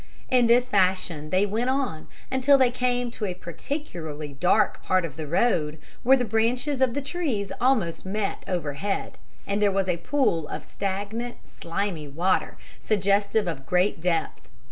In this fashion they went on, until they came to a particularly dark part of the road, where the branches of the trees almost met overhead, and there was a pool of stagnant, slimy water, suggestive of great depth.